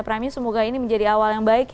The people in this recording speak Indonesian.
prime news semoga ini menjadi awal yang baik